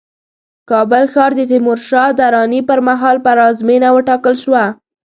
کابل ښار د تیمورشاه دراني پرمهال پلازمينه وټاکل شوه